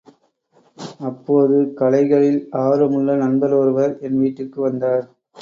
அப்போது கலைகளில் ஆர்வமுள்ள நண்பர் ஒருவர் என் வீட்டிற்கு வந்தார்.